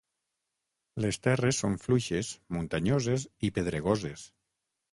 Les terres són fluixes, muntanyoses i pedregoses.